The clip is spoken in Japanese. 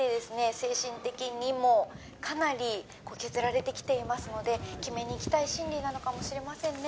精神的にもかなりこう削られてきていますので決めにいきたい心理なのかもしれませんね」